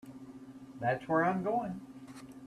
That's where I'm going.